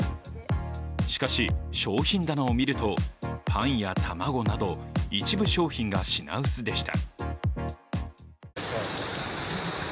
しかし、商品棚を見るとパンや卵など一部商品が品薄でした。